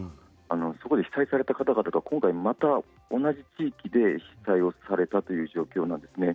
被災された方たち、今回もまた同じ地域で被災されたという状況なんです。